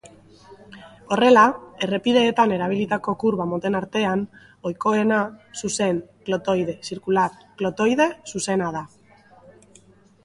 Horrela, errepideetan erabilitako kurba moten artean, ohikoena zuzen-klotoide-zirkular-klotoide-zuzena da.